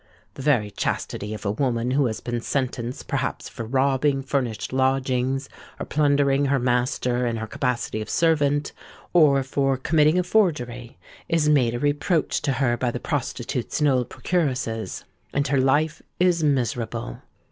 The very chastity of a woman who has been sentenced perhaps for robbing furnished lodgings, or plundering her master in her capacity of servant, or for committing a forgery, is made a reproach to her by the prostitutes and old procuresses; and her life is miserable.